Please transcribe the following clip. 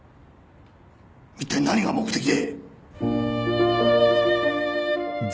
一体何が目的で？